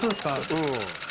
うん。